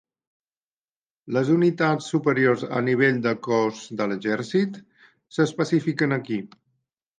Les unitats superiors al nivell de cos de l'exèrcit s'especifiquen aquí.